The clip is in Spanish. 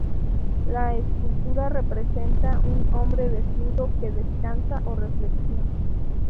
La escultura representa un hombre desnudo que descansa o reflexiona.